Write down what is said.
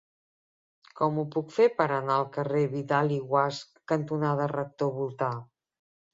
Com ho puc fer per anar al carrer Vidal i Guasch cantonada Rector Voltà?